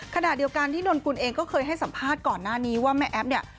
ขณะเดียวกันที่นนกุลเองก็เคยให้สัมภาษณ์ก่อนหน้านี้ว่าแม่แอ๊บเนี่ย